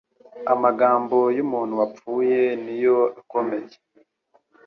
Amagambo y'umuntu wapfuye niyo akomeye